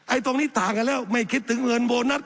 ตรงนี้ต่างกันแล้วไม่คิดถึงเงินโบนัส